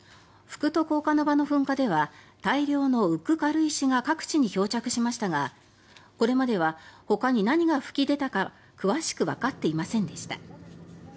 福徳岡ノ場の噴火では大量の浮く軽石が各地に漂着しましたがこれまではほかに何が噴き出たか詳しくわかっていませんでした。